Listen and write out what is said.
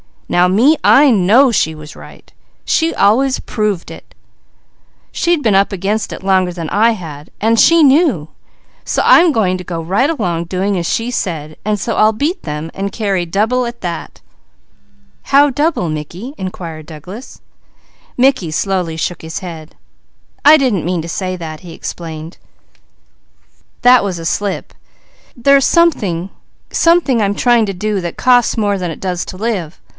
Now me, I know She was right! She always proved it! She had been up against it longer than I had and She knew, so I am going to go right along doing as She said. I'll beat them, and carry double at that!" "How double, Mickey?" inquired Douglas. "I didn't mean to say that," he explained. "That was a slip. There's a there's something something I'm trying to do that costs more than it does to live.